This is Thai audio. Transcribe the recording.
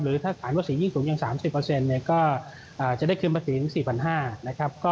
หรือถ้าสารภาษียิ่งสูงอย่าง๓๐เนี่ยก็จะได้ขึ้นภาษีถึง๔๕๐๐นะครับ